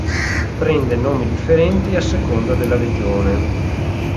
Prende nomi differenti a seconda della regione.